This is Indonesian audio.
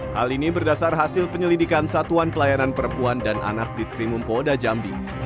hal ini berdasar hasil penyelidikan satuan pelayanan perempuan dan anak di trimum polda jambi